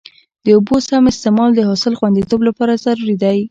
د اوبو سم استعمال د حاصل خوندیتوب لپاره ضروري دی.